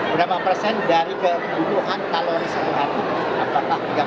berapa persen dari kebutuhan kalori sehari